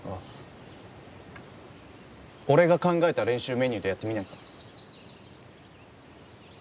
俺が考えた練習メニューでやってみないか？